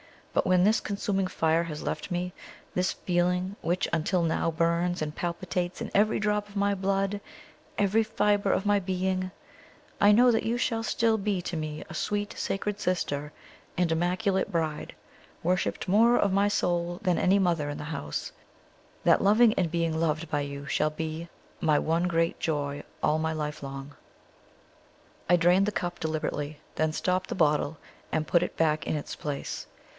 But when this consuming fire has left me this feeling which until now burns and palpitates in every drop of my blood, every fiber of my being I know that you shall still be to me a sweet, sacred sister and immaculate bride, worshipped more of my soul than any mother in the house; that loving and being loved by you shall be my one great joy all my life long." I drained the cup deliberately, then stopped the bottle and put it back in its place.